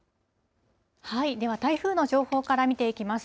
では台風の情報から見ていきます。